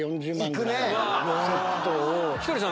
ひとりさん